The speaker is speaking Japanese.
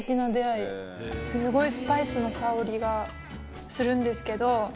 スゴいスパイスの香りがするんですけど。